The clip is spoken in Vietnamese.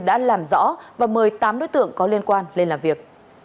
đã làm rõ và mời tám đối tượng có liên quan lên làm việc